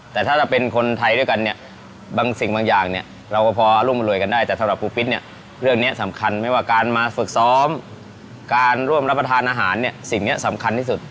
แต่ถ้าเราเป็นคนไทยด้วยกันเนี่ยบางสิ่งบางอย่างเนี่ยเราก็พอร่วมรวยกันได้แต่สำหรับปูปิ๊ดเนี่ยเรื่องนี้สำคัญไม่ว่าการมาฝึกซ้อมการร่วมรับประทานอาหารเนี่ยสิ่งนี้สำคัญที่สุด